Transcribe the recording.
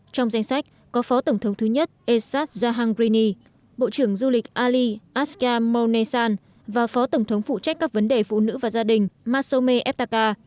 trong danh sách có phó tổng thống thứ nhất esad jahangirini bộ trưởng du lịch ali asghar mounesan và phó tổng thống phụ trách các vấn đề phụ nữ và gia đình masome eftaka